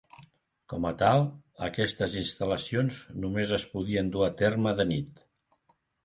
Com a tal, aquestes instal·lacions només es podien dur a terme de nit.